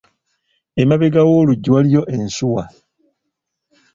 Emabega w’oluggi waliiyo ensuwa.